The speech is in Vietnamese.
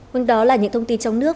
quân đó là những thông tin trong nước